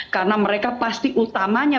karena mereka pasti utamanya